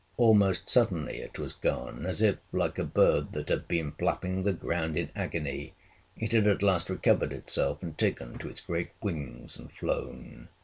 Almost suddenly it was gone, as if, like a bird that had been flapping the ground in agony, it had at last recovered itself, and taken to its great wings and flown.